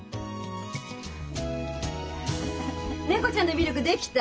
猫ちゃんのミルク出来た？